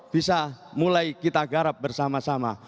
bisa mulai kita garap bersama sama